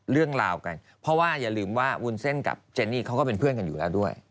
เรื่องราวกันเพราะว่าอย่าลืมว่าวุ้นเส้นกับเจนนี่เขาก็เป็นเพื่อนกันอยู่แล้วด้วย